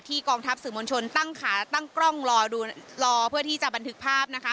ที่กองทัพสื่อมวลชนตั้งขาตั้งกล้องรอเพื่อที่จะบันทึกภาพ